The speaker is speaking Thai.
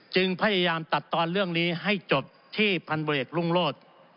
จึงพยายามตัดตอนเรื่องนี้ให้จบที่พันเบรกรุ่งโลศ